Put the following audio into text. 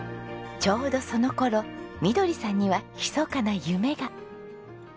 ちょうどその頃みどりさんにはひそかな夢が。